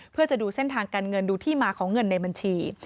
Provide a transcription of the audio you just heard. เพื่อจะดูเส้นทางการเงินดูที่มาของเงินในบัญชี